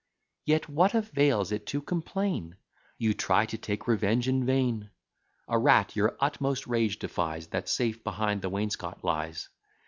Yet what avails it to complain? You try to take revenge in vain. A rat your utmost rage defies, That safe behind the wainscot lies.